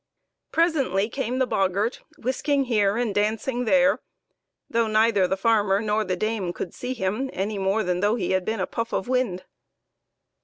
Presently came the boggart, whisking here and dancing there, though neither the farmer nor the dame could see him any more than though he had been a puff of wind.